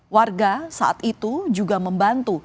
warga saat itu juga membantu